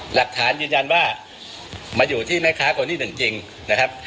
หลักฐานยืนยันว่ามาอยู่ที่แม่ค้าคนที่หนึ่งจริงนะครับ